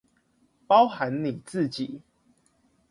包含你自己